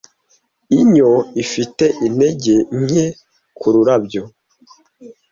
inyo ifite intege nke nkururabyo